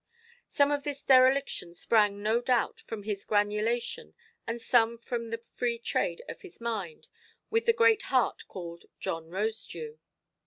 Some of this dereliction sprang, no doubt, from his granulation, and some from the free trade of his mind with the great heart called "John Rosedew".